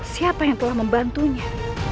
siapa yang telah membantunya